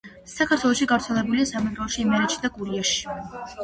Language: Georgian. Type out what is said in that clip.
საქართველოში გავრცელებულია სამეგრელოში, იმერეთში და გურიაში.